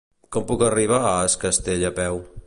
Com puc arribar a Es Castell a peu?